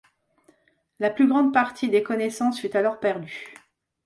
La plus grande partie des connaissances fut alors perdue.